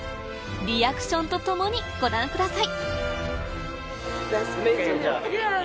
リアクションとともにご覧ください